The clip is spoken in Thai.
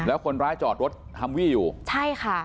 แล้วคนร้ายจอดรถฮัมวี่อยู่ใช่ค่ะ